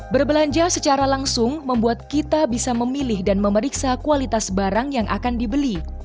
berbelanja secara langsung membuat kita bisa memilih dan memeriksa kualitas barang yang akan dibeli